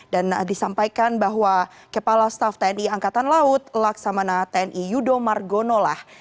dan disampaikan bahwa kepala staff tni angkatan laut laksamana tni yudho margono lah